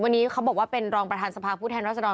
วันนี้เขาบอกว่าเป็นรองประธานสภาพผู้แทนรัศดร